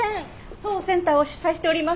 当センターを主宰しております